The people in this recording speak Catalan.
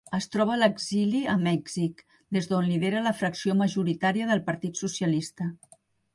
Es troba a l'exili a Mèxic, des d'on lidera la fracció majoritària del Partit Socialista.